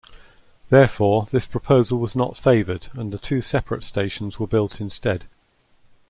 Therefore, this proposal was not favored and the two separate stations were built instead.